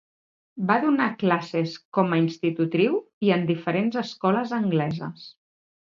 Va donar classes com a institutriu i en diferents escoles angleses.